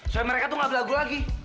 soalnya mereka tuh gak berlagu lagi